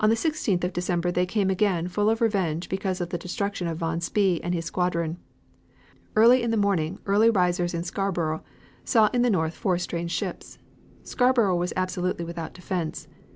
] ENGLISH COAST TOWNS THAT WERE RAIDED On the 16th of December they came again, full of revenge because of the destruction of von Spee and his squadron. Early in the morning early risers in Scarborough saw in the north four strange ships. Scarborough was absolutely without defense.